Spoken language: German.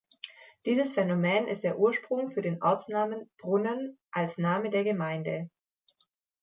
Dieses Phänomen ist der Ursprung für den Ortsnamen "Brunnen" als Name der Gemeinde.